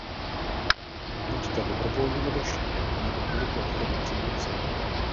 Buďto dobrovolně odešli nebo byli k odchodu přinuceni.